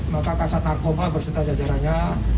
maka kasat narkoba berserta jajarannya